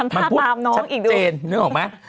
แม่ทำภาพตามน้องอีกดูมันพูดชัดเจนนึกออกไหม